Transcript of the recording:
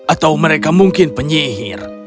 atau mereka mungkin penyihir